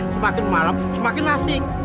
semakin malam semakin asing